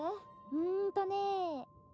うんとね。